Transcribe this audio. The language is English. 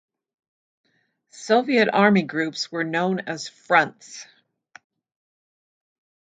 Soviet army groups were known as Fronts.